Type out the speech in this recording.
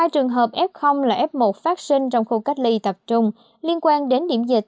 một mươi một trường hợp f một phát sinh trong khu cách ly tập trung liên quan đến điểm dịch